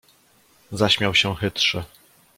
"Zaśmiał się chytrze."